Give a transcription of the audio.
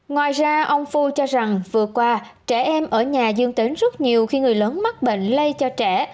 ngoài ra ông phu cho rằng vừa qua trẻ em ở nhà dương tính rất nhiều khi người lớn mắc bệnh lây cho trẻ